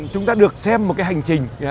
chúng ta được xem một hành trình